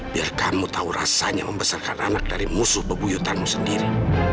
biarkanmu tahu rasanya membesarkan anak dari musuh bebuyutanmu sendiri